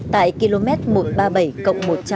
tại km một trăm ba mươi bảy cộng một trăm linh